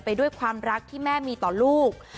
ไปด้วยความรักที่แม่มีต่อลูก